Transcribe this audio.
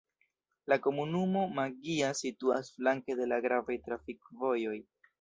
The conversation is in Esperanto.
La komunumo Maggia situas flanke de la gravaj trafikvojoj.